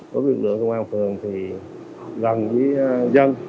lực lượng công an phường gần với dân